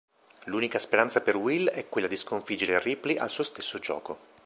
L'unica speranza per Will è quella di sconfiggere Ripley al suo stesso gioco.